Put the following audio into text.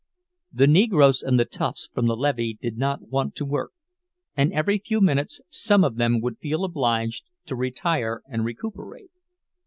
The Negroes and the "toughs" from the Lêvée did not want to work, and every few minutes some of them would feel obliged to retire and recuperate.